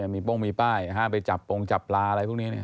มีโป้งมีป้ายห้ามไปจับปงจับปลาอะไรพวกนี้